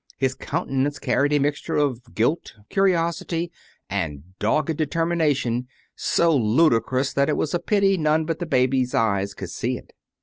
His countenance carried a mixture of guilt, curiosity, and dogged determination so ludicrous that it was a pity none but baby eyes could see it.